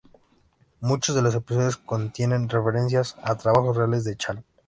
Muchos de los episodios contienen referencias a trabajos reales de Chan.